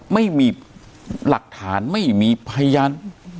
ไม่มีหลักฐานไม่มีพยาน